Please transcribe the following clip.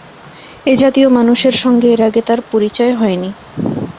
এ-জাতীয় মানুষের সঙ্গে এর আগে তাঁর পরিচয় হয় নি।